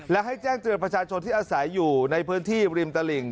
และให้แจ้งเตือนประชาชนที่อาศัยอยู่ในพื้นที่ริมตลิ่ง